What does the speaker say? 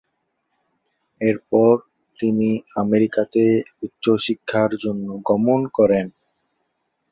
এরপর তিনি আমেরিকাতে উচ্চশিক্ষার জন্য গমন করেন।